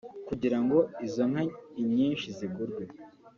kugira ngo izo nka inyinshi zigurwe